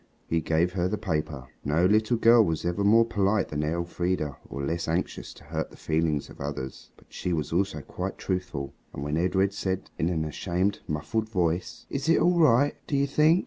he gave her the paper. No little girl was ever more polite than Elfrida or less anxious to hurt the feelings of others. But she was also quite truthful, and when Edred said in an ashamed, muffled voice, "Is it all right, do you think?"